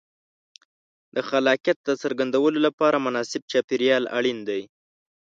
د خلاقیت د څرګندولو لپاره مناسب چاپېریال اړین دی.